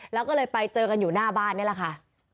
แล้วก็เลยไปเจอกันอยู่หน้าบ้านนี่แหละค่ะ